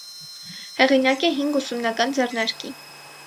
Հեղինակ է հինգ ուսումնական ձեռնարկի։